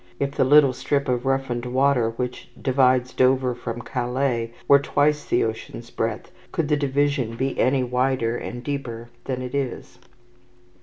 If the little strip of roughened water which divides Dover from Calais were twice the ocean's breadth, could the division be any wider and deeper than it is?